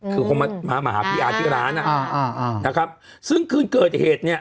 คือคงมามาหาพี่อาที่ร้านอ่ะอ่าอ่านะครับซึ่งคืนเกิดเหตุเนี่ย